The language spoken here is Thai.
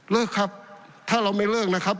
ครับถ้าเราไม่เลิกนะครับ